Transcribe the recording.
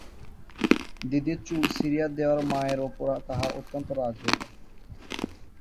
দিদির চুল ছিড়িয়া দেওয়ায় মায়ের উপর তাহার অত্যন্ত রাগ হইল।